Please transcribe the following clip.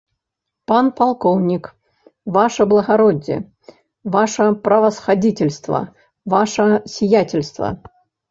Пан палкоўнік, ваша благароддзе, ваша правасхадзіцельства, ваша сіяцельства!